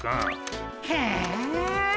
へえ。